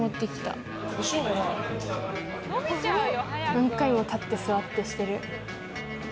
何回も立って座ってしてる。